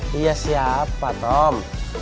dia siapa tom